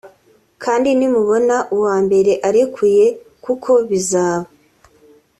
Kandi ni mubona uwambere arekuye kuko bizaba